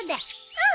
うん。